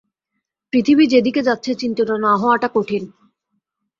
পৃথিবী যেদিকে যাচ্ছে, চিন্তিত না হওয়াটা কঠিন।